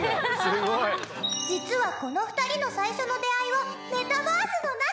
実はこの２人の最初の出会いはメタバースの中。